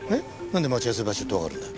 なんで待ち合わせ場所ってわかるんだ。